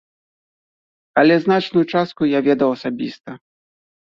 Але значную частку я ведаў асабіста.